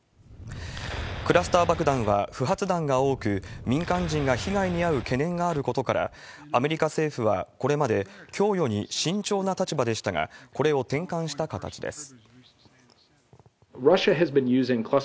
クラスター爆弾は不発弾が多く、民間人が被害に遭う懸念があることから、アメリカ政府はこれまで、供与に慎重な立場でしたが、これを転換した形です。